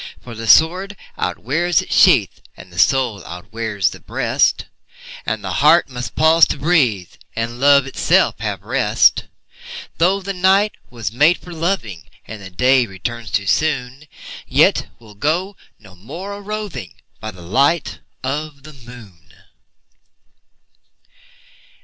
For the sword outwears its sheath, And the soul outwears the breast, And the heart must pause to breathe, And love itself have rest. Though the night was made for loving, And the day returns too soon, Yet we'll go no more a roving By the light of the moon.